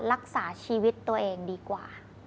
รักษาชีวิตตัวเองดีกว่า